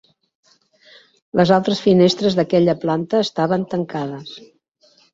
Les altres finestres d'aquella planta estaven tancades.